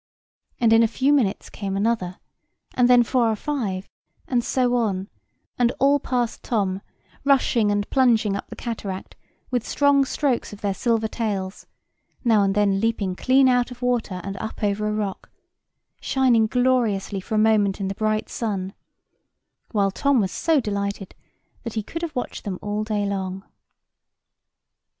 And in a few minutes came another, and then four or five, and so on; and all passed Tom, rushing and plunging up the cataract with strong strokes of their silver tails, now and then leaping clean out of water and up over a rock, shining gloriously for a moment in the bright sun; while Tom was so delighted that he could have watched them all day long.